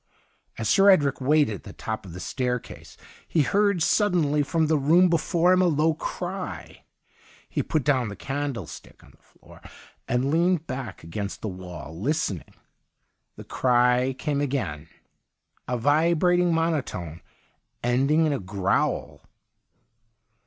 As Sir Edric waited at the top of the staircase he heard suddenly from the room before him a low cry. He put down the candlestick on the floor and leaned back against the wall listening. The cry came again, a vibrating monotone ending in a growl.